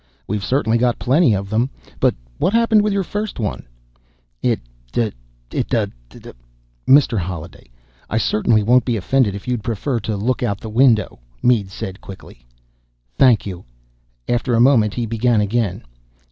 "We've certainly got plenty of them. But what happened with your first one?" "It d d duh " "Mr. Holliday, I certainly won't be offended if you'd prefer to look out the window," Mead said quickly. "Thank you." After a moment, he began again.